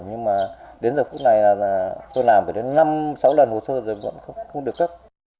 nhưng mà đến giờ phút này là tôi làm năm sáu lần hồ sơ rồi vẫn không được cấp